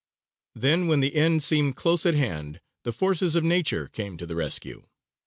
Then, when the end seemed close at hand, the forces of Nature came to the rescue.